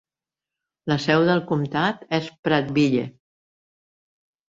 La seu del comtat és Prattville.